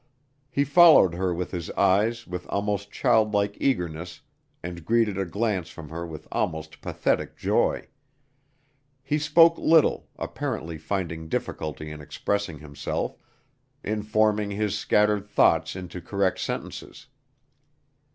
He followed her with his eyes with almost childlike eagerness and greeted a glance from her with almost pathetic joy. He spoke little, apparently finding difficulty in expressing himself in forming his scattered thoughts into correct sentences.